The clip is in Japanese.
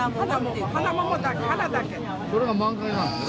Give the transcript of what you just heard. それが満開なんですね。